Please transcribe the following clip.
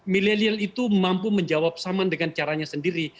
milenial itu mampu menjawab saman dengan caranya sendiri